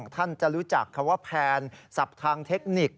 ท่านจะรู้จักคำว่าแพนศัพท์ทางเทคนิค